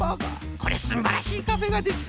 これはすんばらしいカフェができそうじゃ！